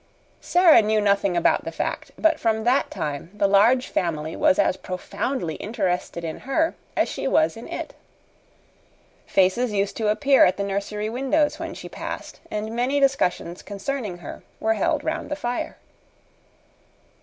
Sara knew nothing about the fact, but from that time the Large Family was as profoundly interested in her as she was in it. Faces used to appear at the nursery windows when she passed, and many discussions concerning her were held round the fire.